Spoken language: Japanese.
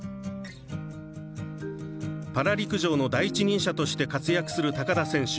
パラ陸上の第一人者として活躍する高田選手。